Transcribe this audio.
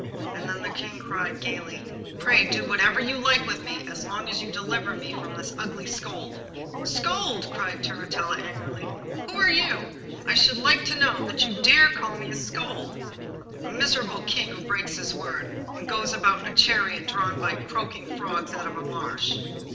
And then the King cried gaily: 'Pray do whatever you like with me, as long as you deliver me from this ugly scold!' 'Scold!' cried Turritella angrily. 'Who are you, I should like to know, that you dare to call me a scold? A miserable King who breaks his word, and goes about in a chariot drawn by croaking frogs out of a marsh!